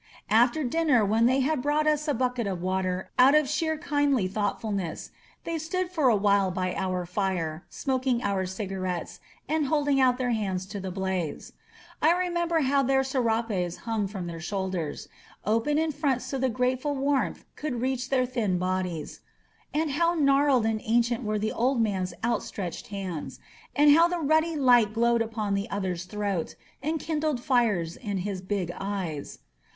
After dinner, when they had brought us a bucket of water out of sheer kindly thoughtfulness, they stood for a while by our fire, smoking our cigarettes and holding out their hands to the blaze. I remember how their serapes himg from their shoulders, open in front so the grateful warmth could reach their thin bodies 169 INSURGENT MEXICO — and how gnarled and ancient were the old man's out stretched hands, and how the ruddy light glowed upon the other's throat, and kindled fires in his big eyes.